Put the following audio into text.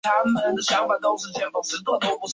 为三立艺能旗下艺人。